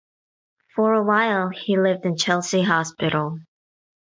For a while he lived in Chelsea Hospital.